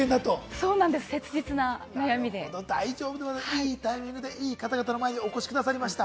いいタイミングで方々の前にお越しくださいました。